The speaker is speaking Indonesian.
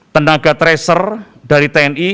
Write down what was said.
tenaga tracer dari tni